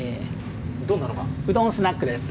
うどんスナックです。